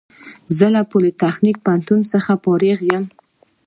زه له پولیتخنیک پوهنتون څخه فارغ یم